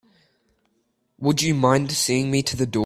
Would you mind seeing me to the door?